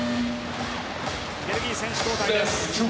ベルギー、選手交代です。